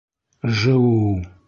Жыу-у...